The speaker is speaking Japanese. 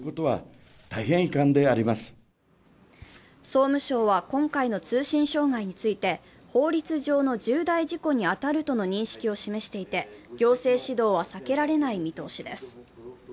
総務省は今回の通信障害について法律上の重大事故に当たるとの認識を示していて、行政指導は避けられない見通しです。